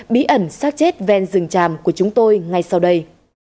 bí ẩn sát chết ven rừng tràm của chúng tôi ngay sau đây